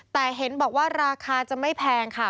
แต่เห็นบอกว่าราคาจะไม่แพงค่ะ